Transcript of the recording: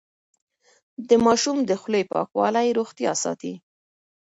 د ماشوم د خولې پاکوالی روغتيا ساتي.